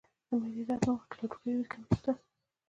د معدې درد مو مخکې له ډوډۍ وي که وروسته؟